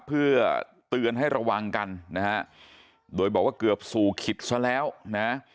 เพื่อเตือนให้ระวังกันนะฮะโดยบอกว่าเกือบสู่ขิตซะแล้วนะ